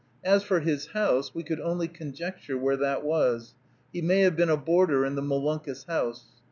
As for his house, we could only conjecture where that was; he may have been a boarder in the Molunkus House.